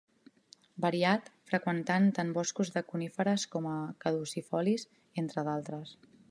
Variat, freqüentant tant boscos de coníferes com caducifolis, entre d'altres.